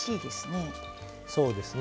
そうですね。